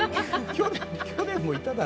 去年もいただろ。